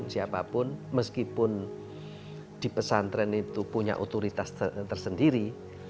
siapapun meskipun di pesantren itu punya otoritas tersendiri